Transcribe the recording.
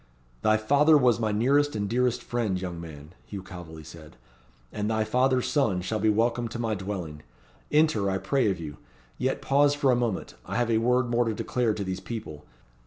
"Thy father was my nearest and dearest friend, young man," Hugh Calveley said; "and thy father's son shall be welcome to my dwelling. Enter, I pray of you. Yet pause for a moment. I have a word more to declare to these people.